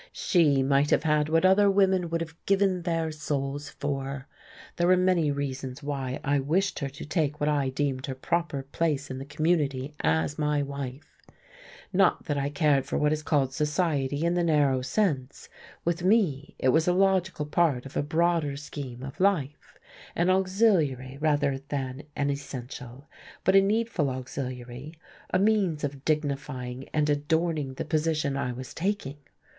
She might have had what other women would have given their souls for. There were many reasons why I wished her to take what I deemed her proper place in the community as my wife not that I cared for what is called society in the narrow sense; with me, it was a logical part of a broader scheme of life; an auxiliary rather than an essential, but a needful auxiliary; a means of dignifying and adorning the position I was taking.